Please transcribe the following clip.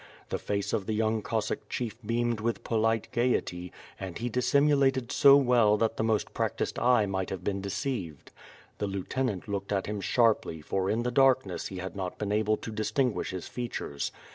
The face of the young Cossack chief beamed with polite gayety, and he dissimulated so well that the most prac ticed eye might have been deceived. The lieutenant looked at him sharply for in the darkness he had not been able to distinguish his features.